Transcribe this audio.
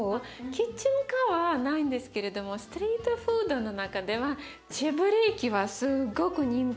キッチンカーはないんですけれどもストリートフードの中ではチェブレーキはすごく人気。